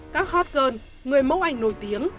các hot girl người mẫu ảnh nổi tiếng